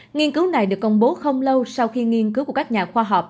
nghiên cứu này được công bố không lâu sau khi nghiên cứu của các nhà khoa học